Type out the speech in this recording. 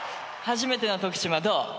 初めての徳島どう？